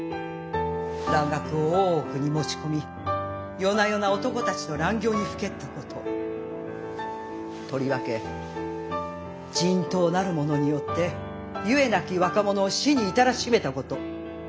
蘭学を大奥に持ち込み夜な夜な男たちと乱行にふけったこととりわけ人痘なるものによってゆえなき若者を死に至らしめたこと。